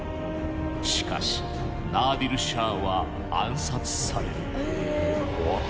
しかしナーディル・シャーは暗殺される。